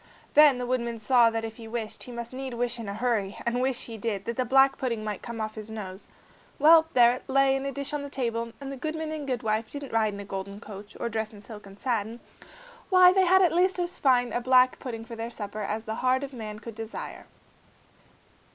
Then the woodman saw that if he wished, he must need wish in a hurry; and wish he did, that the black pudding might come off his nose. Well! there it lay in a dish on the table, and if the goodman and goodwife didn't ride in a golden coach, or dress in silk and satin, why, they had at least as fine a black pudding for their supper as the heart of man could desire.